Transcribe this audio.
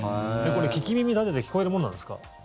これ、聞き耳立てて聞こえるもんなんですか？